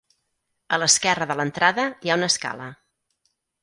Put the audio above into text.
A l'esquerra de l'entrada hi ha una escala.